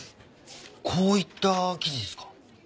こういった記事ですか？